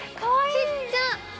小っちゃ！